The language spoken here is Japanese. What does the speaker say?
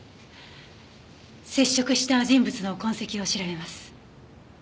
接触した人物の痕跡を調べます。